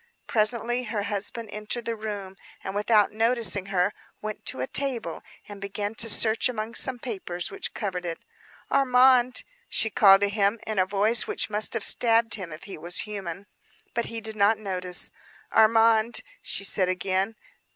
Presently her husband entered the room, and without noticing her, went to a table and began to search among some papers which covered it. "Armand," she called to him, in a voice which must have stabbed him, if he was human. But he did not notice. "Armand," she said again.